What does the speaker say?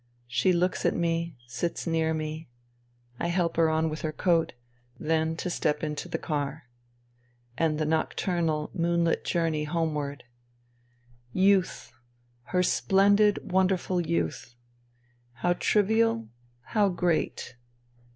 She looks at me, sits near me. I help her on with her coat ; then to step into the car. And the nocturnal moonlit journey home ward. ... Youth ! Her splendid, wonderful youth. How trivial, how great.